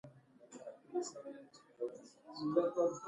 د هیلې اواز د دوی زړونه ارامه او خوښ کړل.